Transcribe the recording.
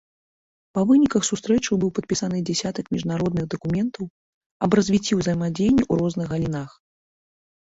Па выніках сустрэчы быў падпісаны дзясятак міжнародных дакументаў аб развіцці ўзаемадзеяння ў розных галінах.